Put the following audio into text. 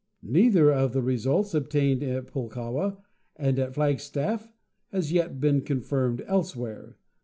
Neither of the results obtained at Pulkowa and at Flag stafl has yet been confirmed elsewhere.